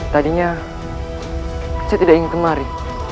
tadinya saya tidak ingin kemari